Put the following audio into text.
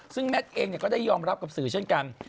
ซึ่งแมทเองก็ได้ยอมรับกับสื่อเช่นกัน